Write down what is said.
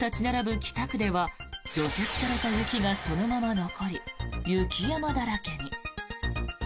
北区では除雪された雪がそのまま残り雪山だらけに。